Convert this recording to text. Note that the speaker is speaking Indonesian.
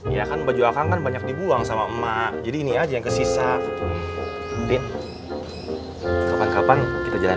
ya kan baju akang kan banyak dibuang sama emak jadi ini aja yang kesisa kemudian kapan kapan kita jalan